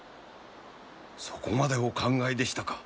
そこまでお考えでしたか。